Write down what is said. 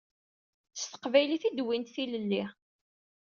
S teqbaylit i d-wwint tilelli.